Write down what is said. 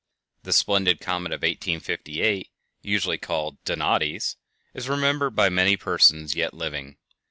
The splendid comet of 1858, usually called Donati's, is remembered by many persons yet living.